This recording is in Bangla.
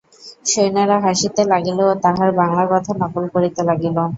সৈন্যেরা হাসিতে লাগিল ও তাঁহার বাংলা কথা নকল করিতে লাগিল।